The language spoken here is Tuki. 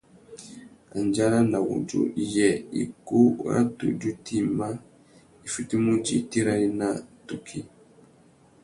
Andjara na wudjú : yê ikú râ tudju tïma i fitimú udjï tirari na tukí ?